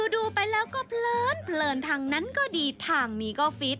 ดูไปแล้วก็เพลินทางนั้นก็ดีทางนี้ก็ฟิต